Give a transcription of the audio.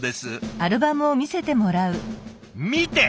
見て！